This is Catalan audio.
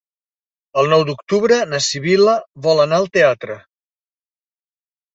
El nou d'octubre na Sibil·la vol anar al teatre.